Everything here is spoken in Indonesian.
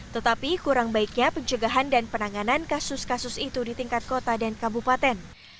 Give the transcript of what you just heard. tetapi kurang baiknya pencegahan dan penanganan kasus kasus itu di tingkat kota dan kabupaten